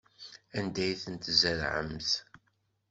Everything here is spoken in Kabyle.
Anda ay ten-tzerɛemt?